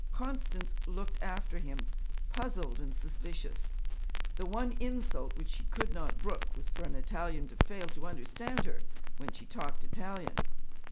Constance looked after him, puzzled and suspicious. The one insult which she could not brook was for an Italian to fail to understand her when she talked Italian.